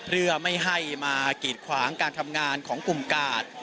เพื่อไม่ให้มากีดขวางการทำงานของกลุ่มกาด